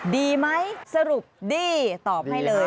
ดีไหมสรุปดีตอบให้เลย